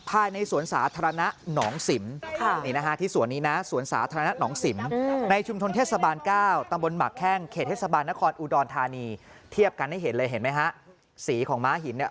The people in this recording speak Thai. ภายในสวนสาธารณะหนองสิม